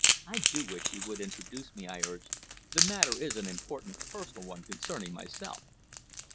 I do wish you would introduce me," I urged. "The matter is an important personal one concerning myself."